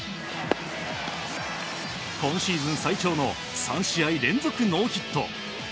今シーズン最長の３試合連続ノーヒット。